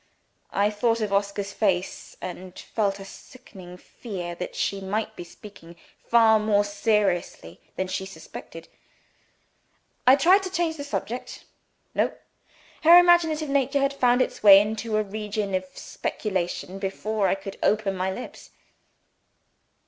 I thought of Oscar's face, and felt a sickening fear that she might be speaking far more seriously than she suspected. I tried to change the subject. No! Her imaginative nature had found its way into a new region of speculation before I could open my lips.